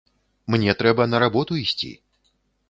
Мне трэба на работу ісці.